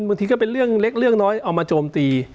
มันก็เป็นเรื่องเล็กเรื่องน้อยเอามาโจมตี